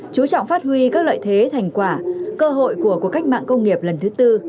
chú trọng phát huy các lợi thế thành quả cơ hội của cuộc cách mạng công nghiệp lần thứ tư